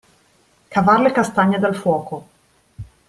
Cavar le castagne dal fuoco.